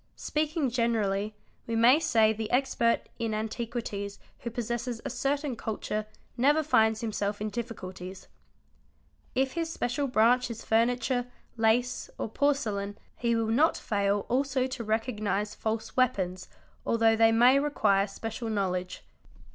Speaking generally we may say the expert in antiquities who pos sesses a certain culture never finds himself in difficulties. If his special branch is furniture, lace, or porcelain, he will not fail also to recognise false weapons although they may require special knowledge.